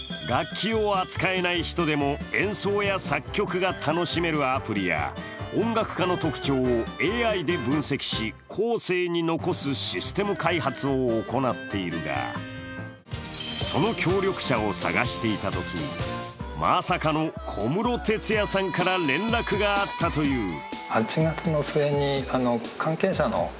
楽器を扱えない人でも演奏や作曲が楽しめるアプリや、音楽家の特徴をＡＩで分析し、後世に残すシステム開発を行っているが、その協力者を探していたとき、まさかの小室哲哉さんから連絡があったという。